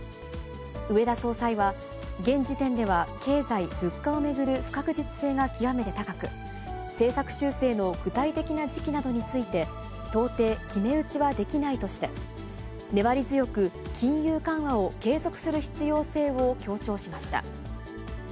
植田総裁は、現時点では経済、物価を巡る不確実性が極めて高く、政策修正の具体的な時期などについて、到底決め打ちはできないとして、粘り強く金融緩和を継続する必要性を強調しました。